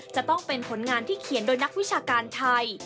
จะต้องเป็นผลงานที่เขียนโดยนักวิชาการไทย